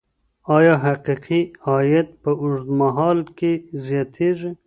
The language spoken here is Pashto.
ایا حقیقي عاید په اوږدمهال کي زیاتیږي؟